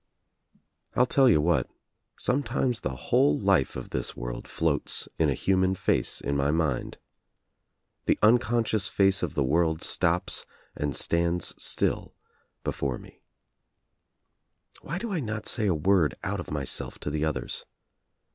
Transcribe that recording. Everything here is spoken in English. I'll tell you what — sometimes the whole life of this world floats in a human face in my mind. The uncon scious face of the world stops and stands still before Why do I not say a word out of myself to the others?